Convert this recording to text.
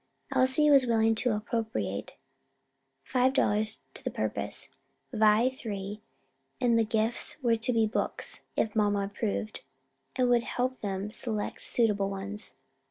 Elsie was willing to appropriate five dollars to the purpose, Vi three, and the gifts were to be books, if mamma approved, and would help them select suitable ones.